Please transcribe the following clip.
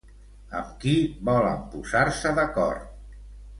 Amb qui volen posar-se d'acord?